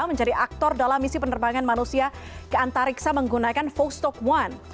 menjadi aktor dalam misi penerbangan manusia ke antariksa menggunakan vostok one